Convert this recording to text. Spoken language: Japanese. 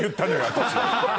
私。